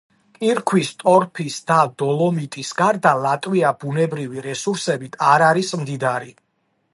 კირქვის, ტორფის და დოლომიტის გარდა ლატვია ბუნებრივი რესურსებით არ არის მდიდარი.